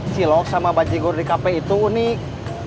cilok sama banjigur di kp itu unik